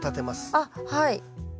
あっはい。